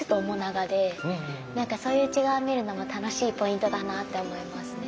何かそういう違いを見るのも楽しいポイントだなって思いますね。